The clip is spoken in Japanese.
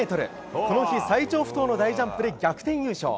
この日、最長不倒の大ジャンプで逆転優勝。